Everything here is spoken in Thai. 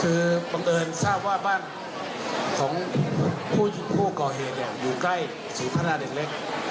คือบังเบิร์นท่าว่าบ้านของผู้ก่อเหทอยู่ใกล้ศรีพระนาคตเล็ก